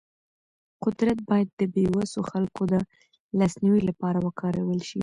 قدرت باید د بې وسو خلکو د لاسنیوي لپاره وکارول شي.